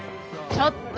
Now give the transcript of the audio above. ちょっと！